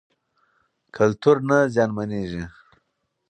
کلتور نه زیانمنېږي.